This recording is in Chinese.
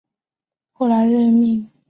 后来任命刘聪为抚军将军。